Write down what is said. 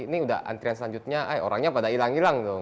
ini udah antrian selanjutnya eh orangnya pada hilang hilang dong